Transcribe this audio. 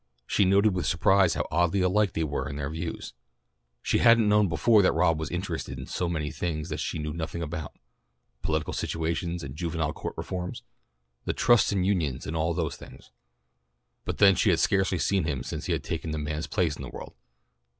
She noted with surprise how oddly alike they were in their views. She hadn't known before that Rob was interested in so many things that she knew nothing about, political situations and Juvenile Court reforms, and trusts and unions and all those things. But then she had scarcely seen him since he had taken a man's place in the world.